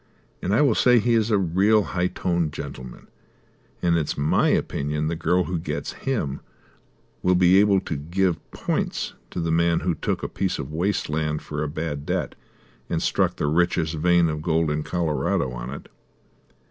And I will say he is a real high toned gentleman, and it's my opinion the girl who gets him will be able to give points to the man who took a piece of waste land for a bad debt, and struck the richest vein of gold in Colorado on it."